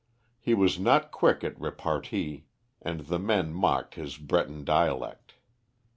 He was not quick at repartee, and the men mocked his Breton dialect.